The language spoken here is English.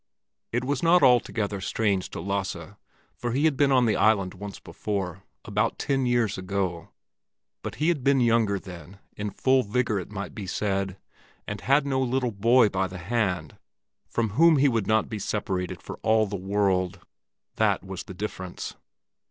It was not altogether strange to Lasse, for he had been on the island once before, about ten years ago; but he had been younger then, in full vigor it might be said, and had no little boy by the hand, from whom he would not be separated for all the world; that was the difference.